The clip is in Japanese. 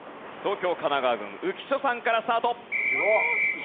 東京・神奈川軍浮所さんからスタート。